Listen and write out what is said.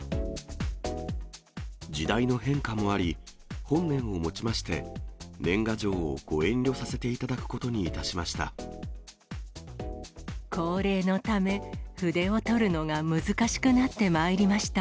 時代の変化もあり、本年をもちまして、年賀状をご遠慮させていただくことにいたしました。